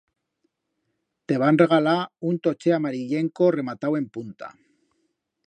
Te van regalar un tochet amarillenco rematau en punta.